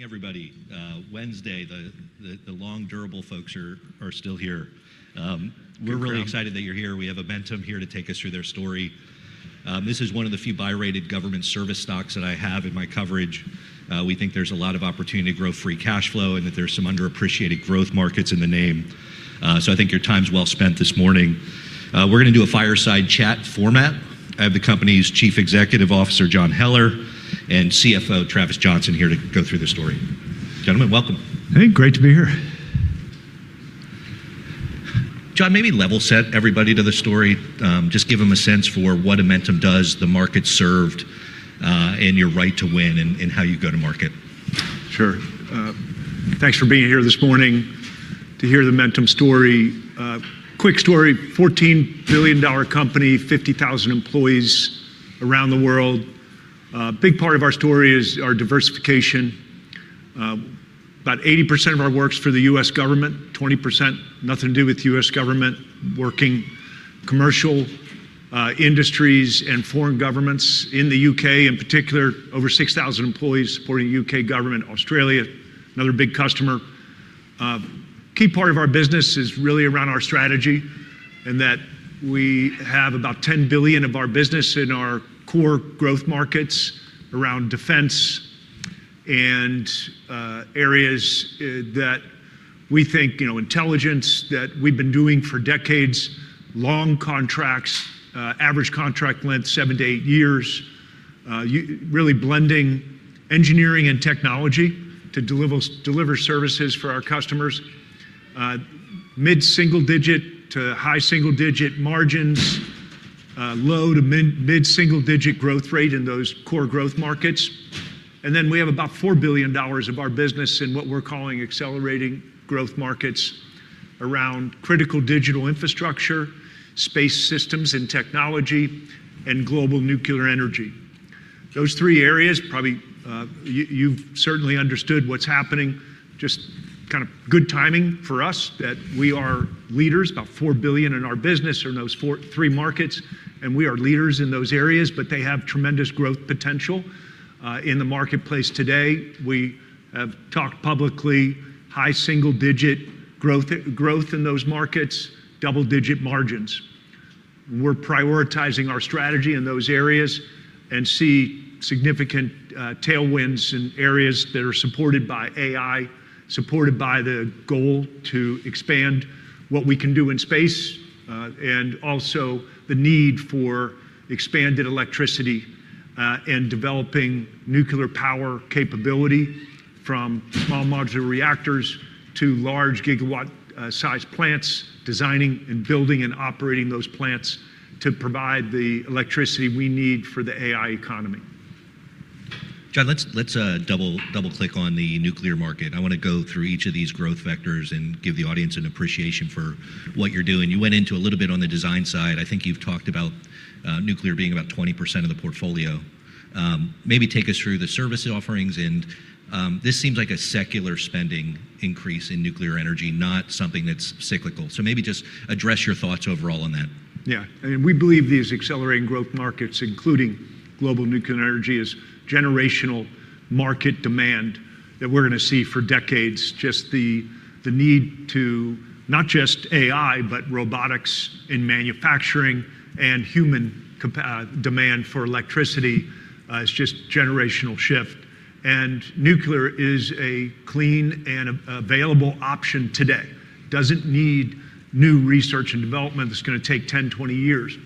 Good morning, everybody. Wednesday, the long durable folks are still here. We're really excited that you're here. We have Amentum here to take us through their story. This is one of the few buy-rated government service stocks that I have in my coverage. We think there's a lot of opportunity to grow free cash flow and that there's some underappreciated growth markets in the name. I think your time's well spent this morning. We're gonna do a fireside chat format. I have the company's Chief Executive Officer, John Heller, and CFO, Travis Johnson, here to go through the story. Gentlemen, welcome. Hey, great to be here. John, maybe level set everybody to the story. just give them a sense for what Amentum does, the market served, and your right to win and how you go to market. Sure. Thanks for being here this morning to hear the Amentum story. Quick story. $14 billion company, 50,000 employees around the world. Big part of our story is our diversification. About 80% of our work's for the U.S. government, 20% nothing to do with U.S. government, working commercial industries and foreign governments in the U.K. in particular. Over 6,000 employees supporting U.K. government. Australia, another big customer. Key part of our business is really around our strategy and that we have about $10 billion of our business in our core growth markets around defense and areas that we think, you know, intelligence that we've been doing for decades, long contracts, average contract length seven to eight years. Really blending engineering and technology to deliver services for our customers. Mid-single digit to high single digit margins, low to mid-single digit growth rate in those core growth markets. We have about $4 billion of our business in what we're calling accelerating growth markets around critical digital infrastructure, space systems and technology, and global nuclear energy. Those three areas probably, you've certainly understood what's happening. Just kind of good timing for us that we are leaders. About $4 billion in our business are in those three markets, and we are leaders in those areas, they have tremendous growth potential in the marketplace today. We have talked publicly high single digit growth in those markets, double digit margins. We're prioritizing our strategy in those areas and see significant tailwinds in areas that are supported by AI, supported by the goal to expand what we can do in space, and also the need for expanded electricity, and developing nuclear power capability from small modular reactors to large gigawatt sized plants, designing and building and operating those plants to provide the electricity we need for the AI economy. John, let's double click on the nuclear market. I wanna go through each of these growth vectors and give the audience an appreciation for what you're doing. You went into a little bit on the design side. I think you've talked about nuclear being about 20% of the portfolio. Maybe take us through the service offerings and this seems like a secular spending increase in nuclear energy, not something that's cyclical. Maybe just address your thoughts overall on that. Yeah. I mean, we believe these accelerating growth markets, including global nuclear energy, is generational market demand that we're gonna see for decades. Just the need to not just AI, but robotics in manufacturing and human capa- demand for electricity is just generational shift. Nuclear is a clean and available option today. Doesn't need new research and development that's gonna take 10, 20-years.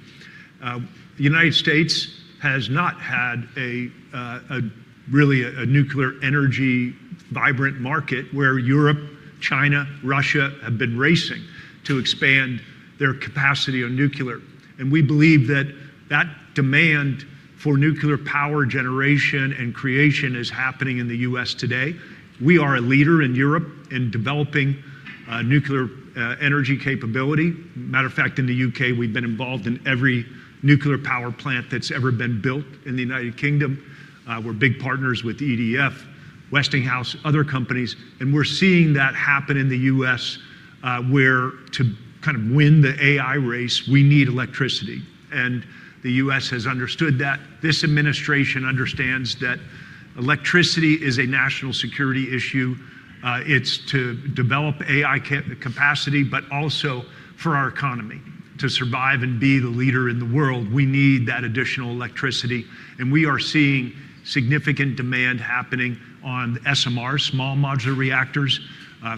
The United States has not had a really a nuclear energy vibrant market where Europe, China, Russia have been racing to expand their capacity on nuclear. We believe that demand for nuclear power generation and creation is happening in the U.S. today. We are a leader in Europe in developing nuclear energy capability. Matter of fact, in the U.K., we've been involved in every nuclear power plant that's ever been built in the United Kingdom. We're big partners with EDF, Westinghouse, other companies, and we're seeing that happen in the U.S., where to kind of win the AI race, we need electricity. The U.S. has understood that. This administration understands that electricity is a national security issue. It's to develop AI capacity, but also for our economy. To survive and be the leader in the world, we need that additional electricity, and we are seeing significant demand happening on SMRs, small modular reactors.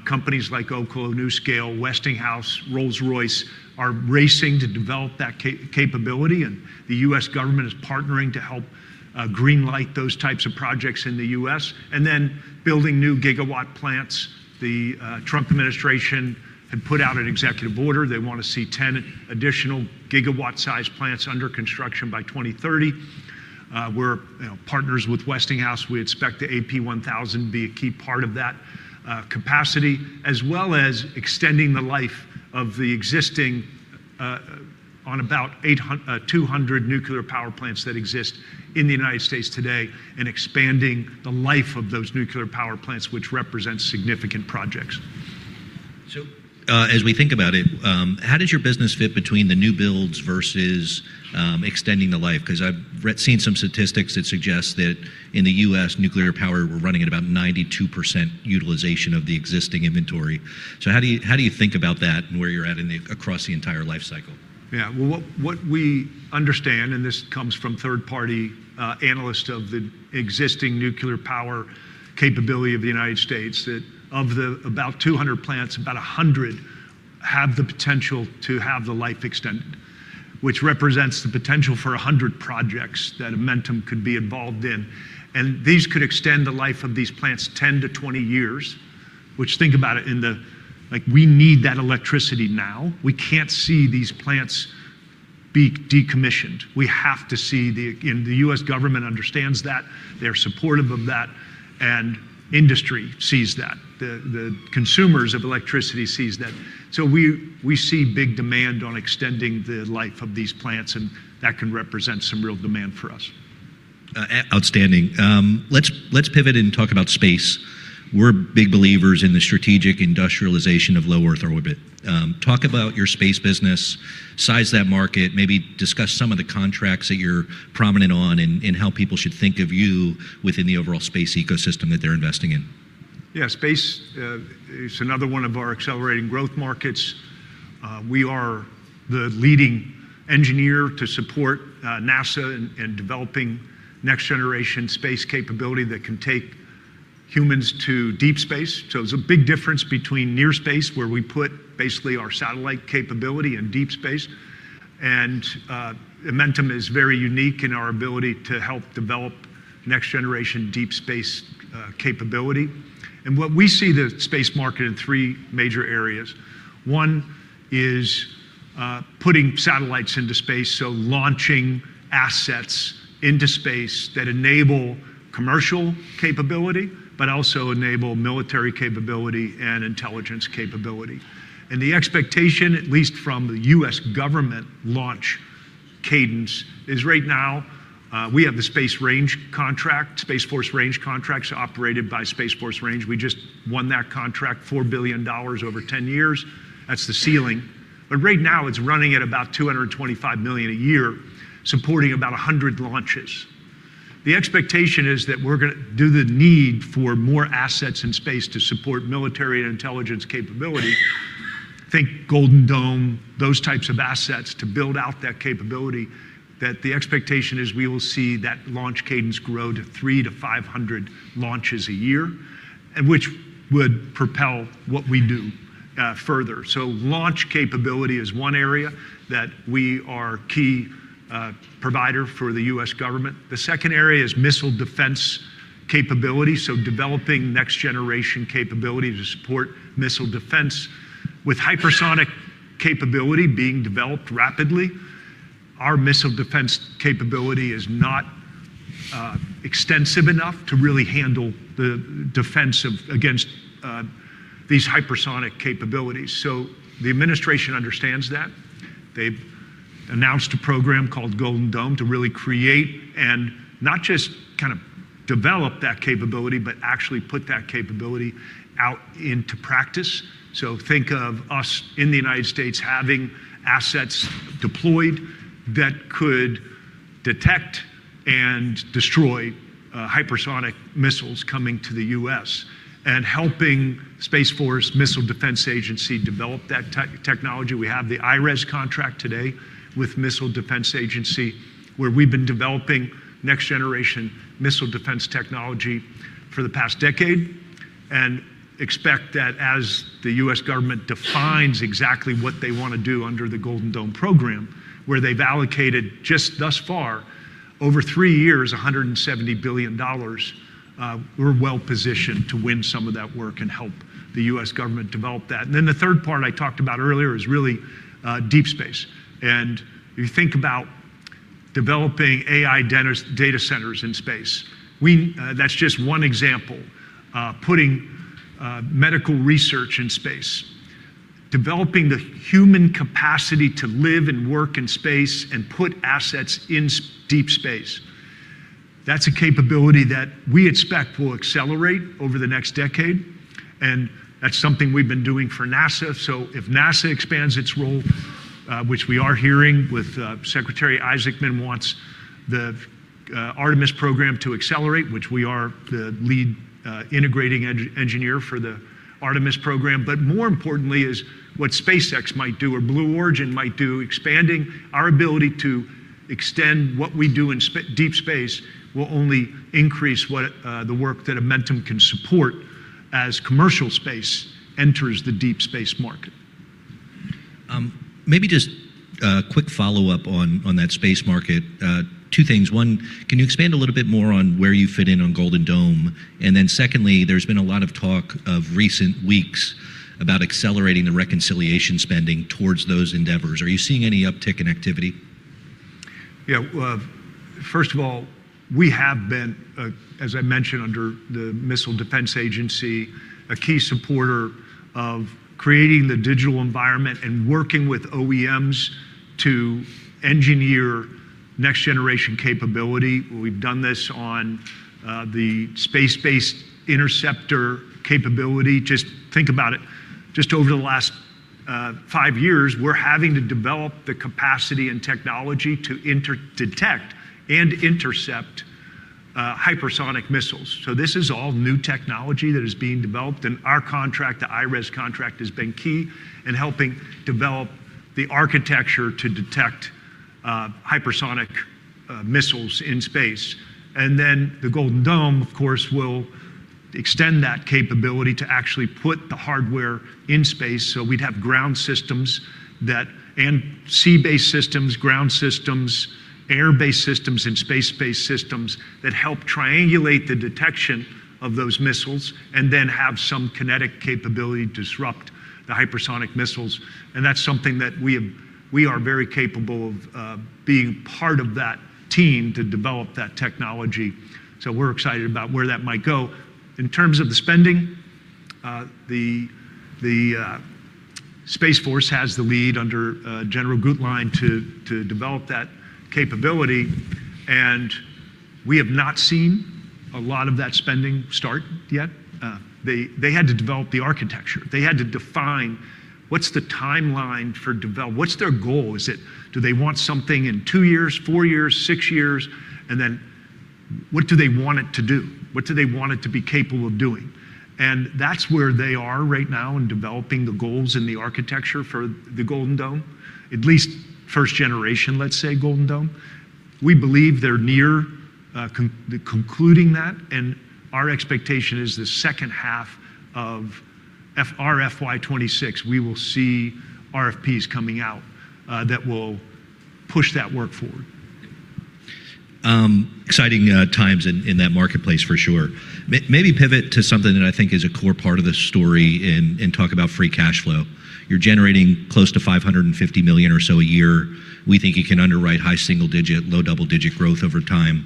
Companies like Oklo, NuScale, Westinghouse, Rolls-Royce are racing to develop that capability, and the U.S. government is partnering to help green light those types of projects in the U.S. and then building new gigawatt plants. The Trump administration had put out an executive order. They wanna see 10 additional gigawatt-sized plants under construction by 2030. We're, you know, partners with Westinghouse. We expect the AP1000 be a key part of that capacity, as well as extending the life of the existing, on about 200 nuclear power plants that exist in the United States today and expanding the life of those nuclear power plants, which represents significant projects. As we think about it, how does your business fit between the new builds versus extending the life? I've seen some statistics that suggest that in the U.S. nuclear power, we're running at about 92% utilization of the existing inventory. How do you think about that and where you're at across the entire life cycle? Yeah. Well, what we understand, and this comes from third-party analysts of the existing nuclear power capability of the United States, that of the about 200 plants, about 100 have the potential to have the life extended, which represents the potential for 100 projects that Amentum could be involved in. These could extend the life of these plants 10-20-years, which think about it. Like, we need that electricity now. We can't see these plants be decommissioned. We have to see. The U.S. government understands that. They're supportive of that, and industry sees that. The consumers of electricity sees that. We see big demand on extending the life of these plants, and that can represent some real demand for us. Outstanding. Let's pivot and talk about space. We're big believers in the strategic industrialization of low Earth orbit. Talk about your space business. Size that market. Maybe discuss some of the contracts that you're prominent on and how people should think of you within the overall space ecosystem that they're investing in. Yeah. Space is another one of our accelerating growth markets. We are the leading engineer to support NASA in developing next-generation space capability that can take humans to deep space. There's a big difference between near space, where we put basically our satellite capability, and deep space. Amentum is very unique in our ability to help develop next-generation deep space capability. What we see the space market in three major areas. One is putting satellites into space, so launching assets into space that enable commercial capability but also enable military capability and intelligence capability. The expectation, at least from the U.S. government launch cadence, is right now, we have the Space Range contract, Space Force Range contracts operated by Space Force Range. We just won that contract, $4 billion over 10-years. That's the ceiling. Right now, it's running at about $225 million a year, supporting about 100 launches. The expectation is that we're gonna do the need for more assets in space to support military and intelligence capability, think Golden Dome, those types of assets to build out that capability, that the expectation is we will see that launch cadence grow to 300-500 launches a year, and which would propel what we do further. Launch capability is one area that we are key provider for the U.S. government. The second area is missile defense capability, developing next-generation capability to support missile defense. With hypersonic capability being developed rapidly, our missile defense capability is not extensive enough to really handle the defense against these hypersonic capabilities. The administration understands that. They've announced a program called Golden Dome to really create and not just kind of develop that capability, but actually put that capability out into practice. Think of us in the United States having assets deployed that could detect and destroy hypersonic missiles coming to the U.S. and helping Space Force Missile Defense Agency develop that technology. We have the IRES contract today with Missile Defense Agency, where we've been developing next-generation missile defense technology for the past decade, and expect that as the U.S. government defines exactly what they wanna do under the Golden Dome program, where they've allocated just thus far over three years, $170 billion, we're well-positioned to win some of that work and help the U.S. government develop that. The third part I talked about earlier is really deep space. If you think about developing AI data centers in space, we, that's just one example. Putting medical research in space. Developing the human capacity to live and work in space and put assets in deep space. That's a capability that we expect will accelerate over the next decade, and that's something we've been doing for NASA. If NASA expands its role, which we are hearing with Secretary Jared Isaacman wants the Artemis program to accelerate, which we are the lead integrating engineer for the Artemis program. More importantly is what SpaceX might do or Blue Origin might do. Expanding our ability to extend what we do in deep space will only increase what the work that Amentum can support as commercial space enters the deep space market. maybe just a quick follow-up on that space market. two things. One, can you expand a little bit more on where you fit in on Golden Dome? Secondly, there's been a lot of talk of recent weeks about accelerating the reconciliation spending towards those endeavors. Are you seeing any uptick in activity? Well, first of all, we have been, as I mentioned under the Missile Defense Agency, a key supporter of creating the digital environment and working with OEMs to engineer next-generation capability. We've done this on the space-based interceptor capability. Just think about it. Just over the last five years, we're having to develop the capacity and technology to detect and intercept hypersonic missiles. This is all new technology that is being developed, and our contract, the IRES contract, has been key in helping develop the architecture to detect hypersonic missiles in space. The Golden Dome, of course, will extend that capability to actually put the hardware in space. We'd have ground systems and sea-based systems, ground systems, air-based systems, and space-based systems that help triangulate the detection of those missiles and then have some kinetic capability to disrupt the hypersonic missiles. That's something that we are very capable of being part of that team to develop that technology. We're excited about where that might go. In terms of the spending, the Space Force has the lead under General Guetlein to develop that capability, and we have not seen a lot of that spending start yet. They had to develop the architecture. They had to define what's the timeline for What's their goal? Is it do they want something in two years, four years, six years? Then what do they want it to do? What do they want it to be capable of doing? That's where they are right now in developing the goals and the architecture for the Golden Dome. At least first generation, let's say, Golden Dome. We believe they're near concluding that, and our expectation is the second half of FY 2026, we will see RFPs coming out that will push that work forward. Exciting times in that marketplace for sure. Maybe pivot to something that I think is a core part of the story and talk about free cash flow. You're generating close to $550 million or so a year. We think you can underwrite high single-digit, low double-digit growth over time.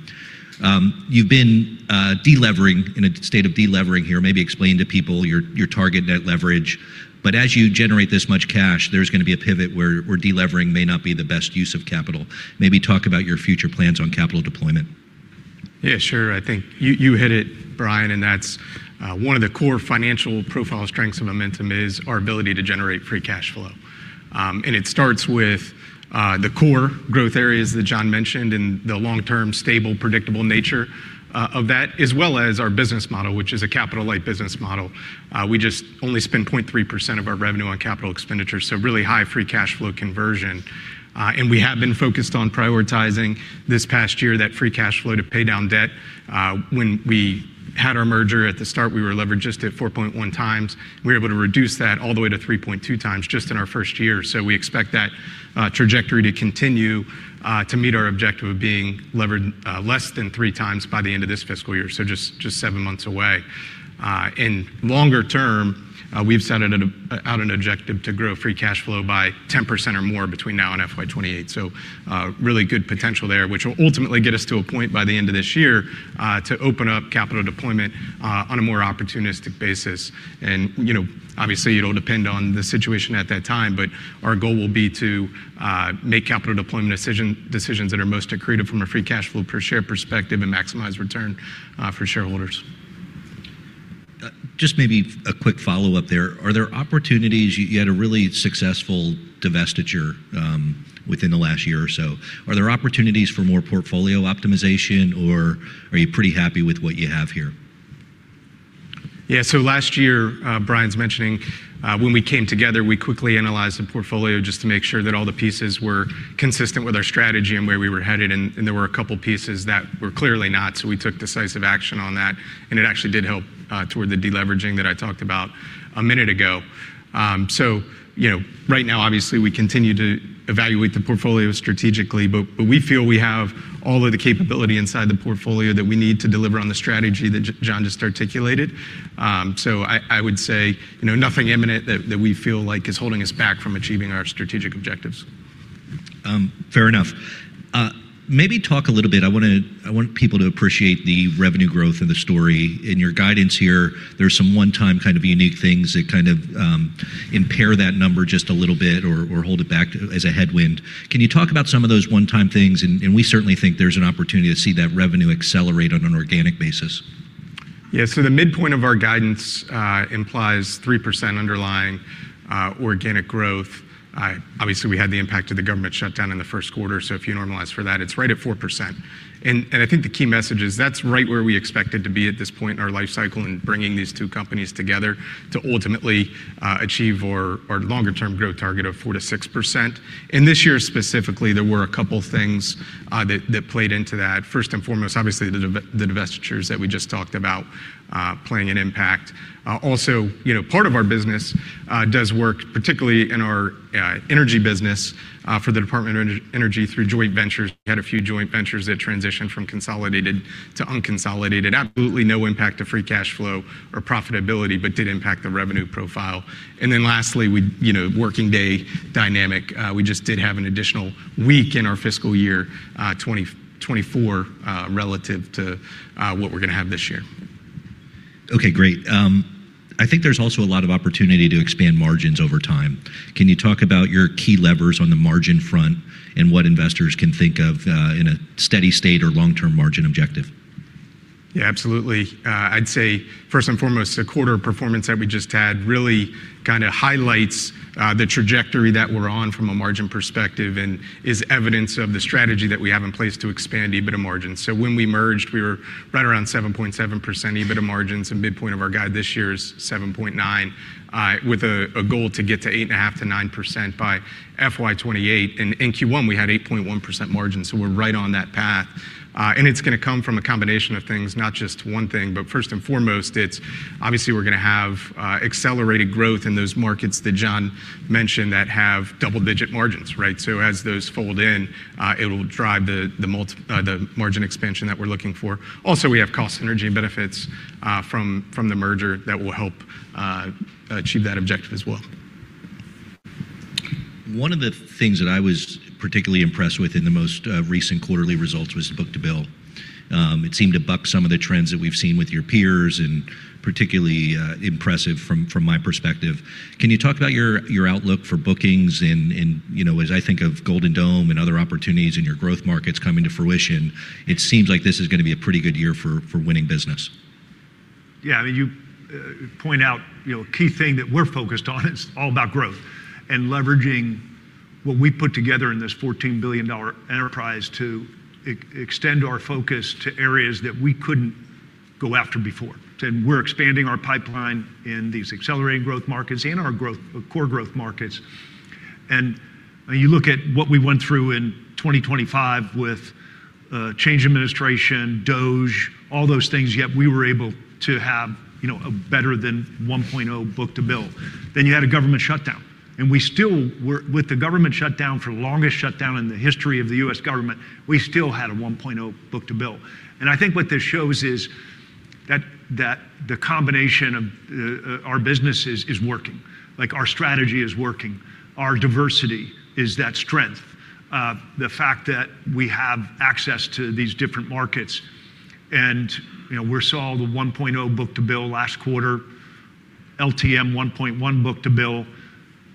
You've been delevering, in a state of delevering here. Maybe explain to people your target net leverage. As you generate this much cash, there's gonna be a pivot where delevering may not be the best use of capital. Maybe talk about your future plans on capital deployment. Yeah, sure. I think you hit it, Brian, that's one of the core financial profile strengths of Amentum is our ability to generate free cash flow. It starts with the core growth areas that John mentioned and the long-term, stable, predictable nature of that, as well as our business model, which is a capital-light business model. We just only spend 0.3% of our revenue on capital expenditures, so really high free cash flow conversion. We have been focused on prioritizing this past year that free cash flow to pay down debt. When we had our merger at the start, we were leveraged just at 4.1 times. We were able to reduce that all the way to 3.2 times just in our first year. We expect that trajectory to continue to meet our objective of being levered less than three times by the end of this fiscal year, so just seven months away. In longer term, we've set out an objective to grow free cash flow by 10% or more between now and FY 2028. Really good potential there, which will ultimately get us to a point by the end of this year to open up capital deployment on a more opportunistic basis. You know, obviously, it'll depend on the situation at that time, but our goal will be to make capital deployment decisions that are most accretive from a free cash flow per share perspective and maximize return for shareholders. Just maybe a quick follow-up there. You had a really successful divestiture, within the last year or so. Are there opportunities for more portfolio optimization, or are you pretty happy with what you have here? Yeah. Last year, Brian's mentioning, when we came together, we quickly analyzed the portfolio just to make sure that all the pieces were consistent with our strategy and where we were headed. There were a couple pieces that were clearly not, we took decisive action on that, and it actually did help toward the deleveraging that I talked about a minute ago. You know, right now, obviously, we continue to evaluate the portfolio strategically, but we feel we have all of the capability inside the portfolio that we need to deliver on the strategy that John just articulated. I would say, you know, nothing imminent that we feel like is holding us back from achieving our strategic objectives. Fair enough. Maybe talk a little bit, I want people to appreciate the revenue growth of the story. In your guidance here, there's some one-time kind of unique things that kind of impair that number just a little bit or hold it back as a headwind. Can you talk about some of those one-time things? We certainly think there's an opportunity to see that revenue accelerate on an organic basis. Yeah. The midpoint of our guidance implies 3% underlying organic growth. Obviously, we had the impact of the government shutdown in the first quarter. If you normalize for that, it's right at 4%. I think the key message is that's right where we expect it to be at this point in our life cycle in bringing these two companies together to ultimately achieve our longer term growth target of 4%-6%. In this year specifically, there were a couple things that played into that. First and foremost, obviously, the divestitures that we just talked about playing an impact. Also, you know, part of our business does work particularly in our energy business for the Department of Energy through joint ventures. We had a few joint ventures that transitioned from consolidated to unconsolidated. Absolutely no impact to free cash flow or profitability, but did impact the revenue profile. Lastly, we, you know, working day dynamic. We just did have an additional week in our fiscal year 2024 relative to what we're gonna have this year. Okay, great. I think there's also a lot of opportunity to expand margins over time. Can you talk about your key levers on the margin front and what investors can think of, in a steady state or long-term margin objective? Yeah, absolutely. I'd say first and foremost, the quarter performance that we just had really kinda highlights the trajectory that we're on from a margin perspective and is evidence of the strategy that we have in place to expand EBITDA margins. When we merged, we were right around 7.7% EBITDA margins, and midpoint of our guide this year is 7.9%, with a goal to get to 8.5%-9% by FY 2028. In Q1, we had 8.1% margins, so we're right on that path. It's gonna come from a combination of things, not just one thing, but first and foremost, it's obviously we're gonna have accelerated growth in those markets that John mentioned that have double-digit margins, right? As those fold in, it'll drive the margin expansion that we're looking for. Also, we have cost synergy benefits from the merger that will help achieve that objective as well. One of the things that I was particularly impressed with in the most recent quarterly results was book-to-bill. It seemed to buck some of the trends that we've seen with your peers and particularly impressive from my perspective. Can you talk about your outlook for bookings? You know, as I think of Golden Dome and other opportunities in your growth markets coming to fruition, it seems like this is gonna be a pretty good year for winning business. Yeah. I mean, you point out, you know, a key thing that we're focused on, it's all about growth and leveraging what we put together in this $14 billion enterprise to extend our focus to areas that we couldn't go after before. We're expanding our pipeline in these accelerated growth markets and our core growth markets. When you look at what we went through in 2025 with change in administration, DOGE, all those things, yet we were able to have, you know, a better than 1.0 book-to-bill. You had a government shutdown, and we still with the government shutdown for the longest shutdown in the history of the U.S. government, we still had a 1.0 book-to-bill. I think what this shows is that the combination of our businesses is working. Like, our strategy is working. Our diversity is that strength. The fact that we have access to these different markets. You know, we saw the 1.0 book-to-bill last quarter, LTM 1.1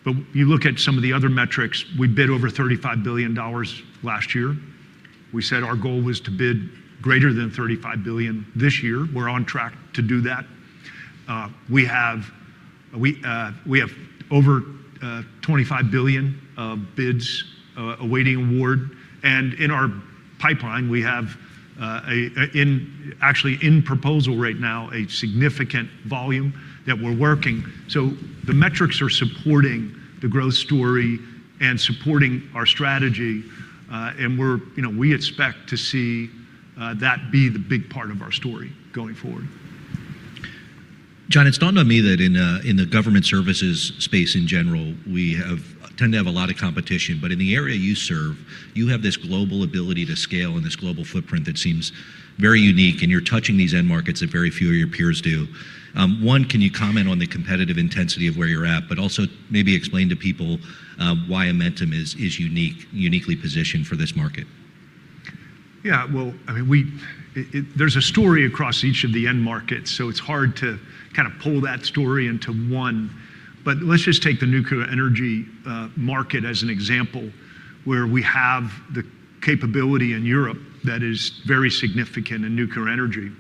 book-to-bill. You look at some of the other metrics, we bid over $35 billion last year. We said our goal was to bid greater than $35 billion this year. We're on track to do that. We have over $25 billion of bids awaiting award. In our pipeline, we have actually in proposal right now, a significant volume that we're working. The metrics are supporting the growth story and supporting our strategy, and we're, you know, we expect to see that be the big part of our story going forward. John, it's dawned on me that in the government services space in general, we tend to have a lot of competition. In the area you serve, you have this global ability to scale and this global footprint that seems very unique, and you're touching these end markets that very few of your peers do. One, can you comment on the competitive intensity of where you're at? Also maybe explain to people why Amentum is uniquely positioned for this market. Yeah. Well, I mean, there's a story across each of the end markets, so it's hard to kinda pull that story into one. Let's just take the nuclear energy market as an example, where we have the capability in Europe that is very significant in nuclear energy.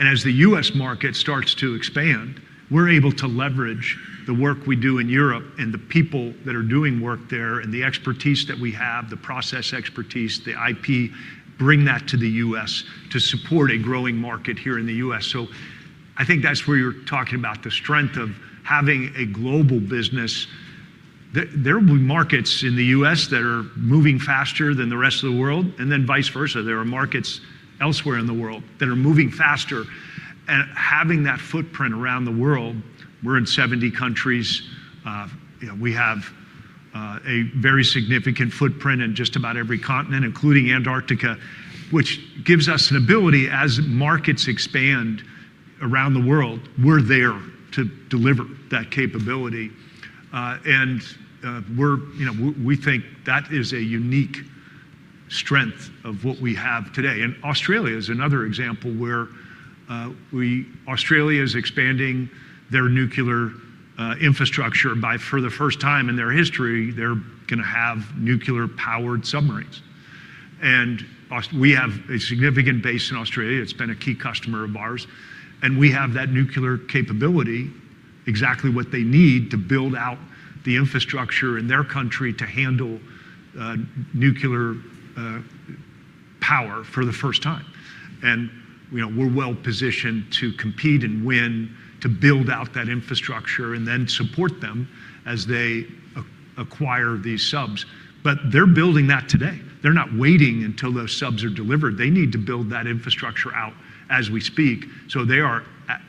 As the U.S. market starts to expand, we're able to leverage the work we do in Europe and the people that are doing work there and the expertise that we have, the process expertise, the IP, bring that to the U.S. to support a growing market here in the U.S. I think that's where you're talking about the strength of having a global business. There will be markets in the U.S. that are moving faster than the rest of the world, and then vice versa. There are markets elsewhere in the world that are moving faster. Having that footprint around the world, we're in 70 countries. You know, we have a very significant footprint in just about every continent, including Antarctica, which gives us an ability as markets expand around the world, we're there to deliver that capability. We're, you know, we think that is a unique strength of what we have today. Australia is another example where Australia is expanding their nuclear infrastructure by for the first time in their history, they're gonna have nuclear-powered submarines. We have a significant base in Australia. It's been a key customer of ours. We have that nuclear capability, exactly what they need to build out the infrastructure in their country to handle nuclear power for the first time. You know, we're well-positioned to compete and win, to build out that infrastructure, and then support them as they acquire these subs. They're building that today. They're not waiting until those subs are delivered. They need to build that infrastructure out as we speak. They are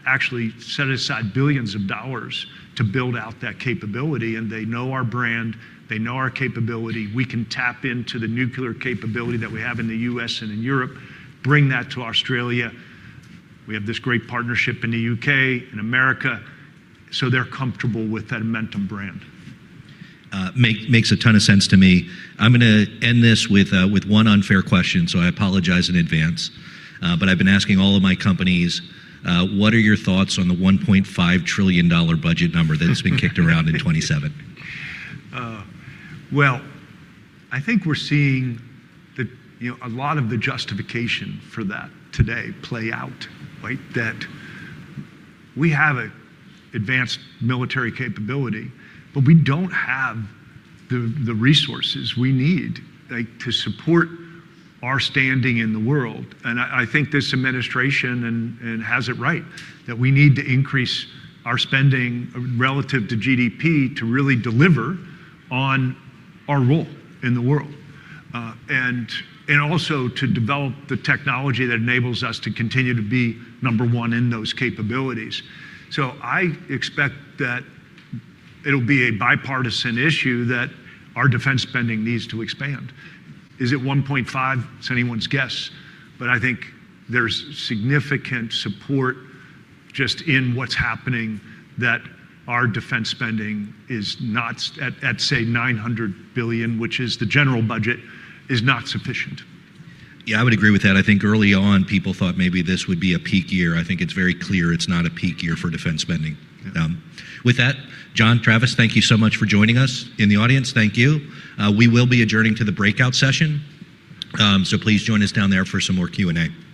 actually set aside billions of dollars to build out that capability, and they know our brand. They know our capability. We can tap into the nuclear capability that we have in the U.S. and in Europe, bring that to Australia. We have this great partnership in the U.K. and America, so they're comfortable with that Amentum brand. Makes a ton of sense to me. I'm gonna end this with one unfair question, so I apologize in advance. I've been asking all of my companies, what are your thoughts on the $1.5 trillion budget number that has been kicked around in 2027? Well, I think we're seeing the, you know, a lot of the justification for that today play out, right? That we have a advanced military capability, but we don't have the resources we need, like, to support our standing in the world. I think this administration has it right, that we need to increase our spending relative to GDP to really deliver on our role in the world. Also to develop the technology that enables us to continue to be number one in those capabilities. I expect that it'll be a bipartisan issue that our defense spending needs to expand. Is it 1.5? It's anyone's guess, but I think there's significant support just in what's happening that our defense spending is not at say, $900 billion, which is the general budget, is not sufficient. Yeah, I would agree with that. I think early on, people thought maybe this would be a peak year. I think it's very clear it's not a peak year for defense spending. Yeah. With that, John, Travis, thank you so much for joining us. In the audience, thank you. We will be adjourning to the breakout session, so please join us down there for some more Q&A. Thank you.